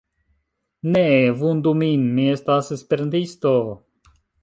Neeee vundu min, mi estas Esperantisto...